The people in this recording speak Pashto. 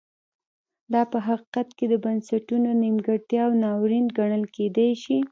دا په حقیقت کې د بنسټونو نیمګړتیا او ناورین ګڼل کېدای شي.